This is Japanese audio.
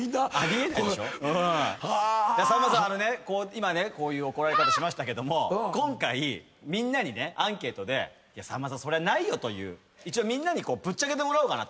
今こういう怒られ方しましたけども今回みんなにアンケートで「さんまさんそりゃないよ」という一応みんなにぶっちゃけてもらおうかなと。